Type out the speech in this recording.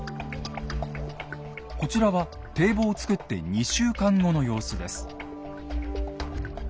こちらは堤防を造って２週間後の様子です。